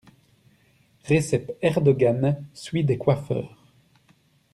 Recep Erdogan suit des coiffeurs.